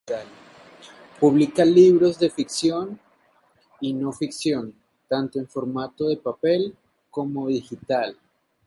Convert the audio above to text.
Publica libros de ficción y no ficción, tanto en formato papel como digital.